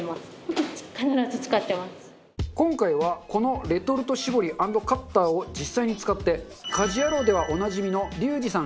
今回はこのレトルト絞り＆カッターを実際に使って『家事ヤロウ！！！』ではおなじみのリュウジさん